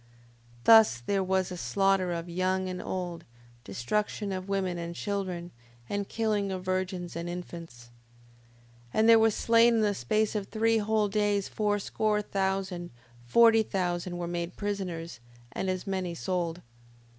5:13. Thus there was a slaughter of young and old, destruction of women and children, and killing of virgins and infants. 5:14. And there were slain in the space of three whole days fourscore thousand, forty thousand were made prisoners, and as many sold.